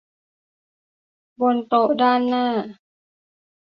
บนโต๊ะด้านหน้า